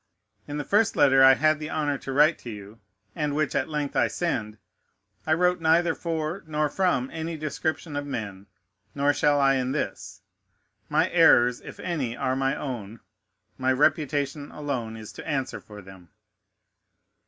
In the first letter I had the honor to write to you, and which at length I send, I wrote neither for nor from any description of men; nor shall I in this. My errors, if any, are my own. My reputation alone is to answer for them.